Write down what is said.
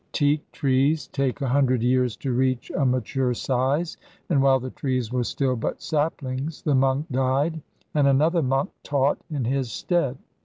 Teak trees take a hundred years to reach a mature size, and while the trees were still but saplings the monk died, and another monk taught in his stead.